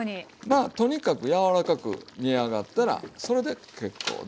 まあとにかく柔らかく煮上がったらそれで結構でございます。